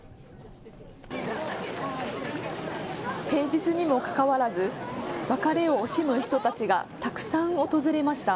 平日にもかかわらず別れを惜しむ人たちがたくさん訪れました。